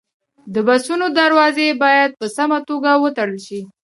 د بسونو دروازې باید په سمه توګه وتړل شي.